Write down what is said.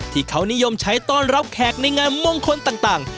ที่เขานิยมใช้ต้อนรับแขกในงานมงคลต่าง